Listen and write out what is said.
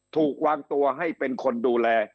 ถูกวางตัวให้เป็นคนดูแล